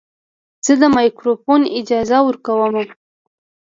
زه د مایکروفون اجازه ورکوم.